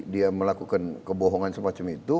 dia melakukan kebohongan semacam itu